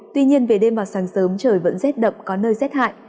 tuy nhiên về đêm và sáng sớm trời vẫn rét đậm có nơi rét hại